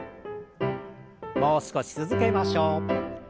もう少し続けましょう。